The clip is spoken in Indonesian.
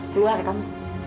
keluar ya kamu